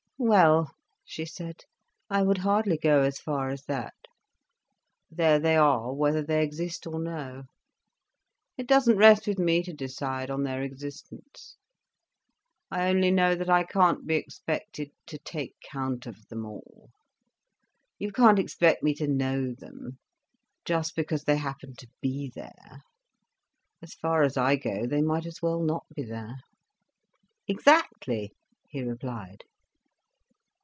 "Well," she said, "I would hardly go as far as that. There they are, whether they exist or no. It doesn't rest with me to decide on their existence. I only know that I can't be expected to take count of them all. You can't expect me to know them, just because they happen to be there. As far as I go they might as well not be there." "Exactly," he replied.